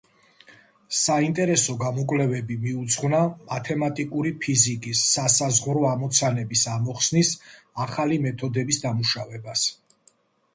საინტერესო გამოკვლევები მიუძღვნა მათემატიკური ფიზიკის სასაზღვრო ამოცანების ამოხსნის ახალი მეთოდების დამუშავებას.